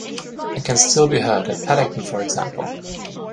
It can still be heard, at Paddington for example.